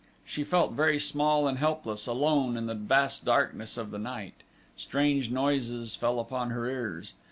She felt very small and helpless alone in the vast darkness of the night. Strange noises fell upon her ears.